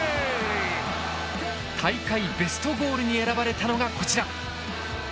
大会ベストゴールに選ばれたのがこちら。